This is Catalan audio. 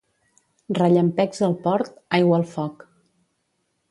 Rellampecs al Port, aigua al foc.